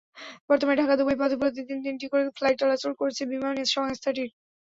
বর্তমানে ঢাকা-দুবাই পথে প্রতিদিন তিনটি করে ফ্লাইট চলাচল করছে বিমান সংস্থাটির।